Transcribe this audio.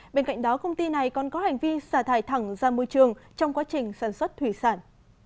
bên cạnh đó công ty này còn có hành vi xả thải thẳng ra môi trường trong quá trình sản xuất thủy sản